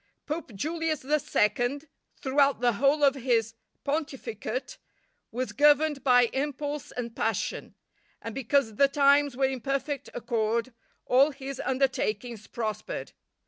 Pope Julius II., throughout the whole of his pontificate, was governed by impulse and passion, and because the times were in perfect accord, all his undertakings prospered.